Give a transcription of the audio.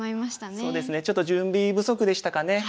そうですねちょっと準備不足でしたかね。